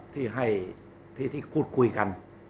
ที่คุดคุยกัน